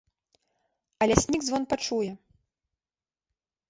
А ляснік звон пачуе.